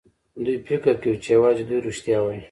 دوی فکر کوي چې يوازې دوی رښتيا وايي.